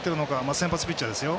先発ピッチャーですよ。